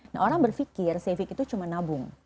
nah orang berpikir saving itu cuma nabung